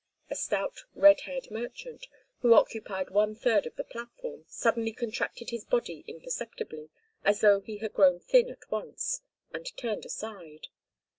A stout, red haired merchant, who occupied one third of the platform, suddenly contracted his body imperceptibly, as though he had grown thin at once, and turned aside.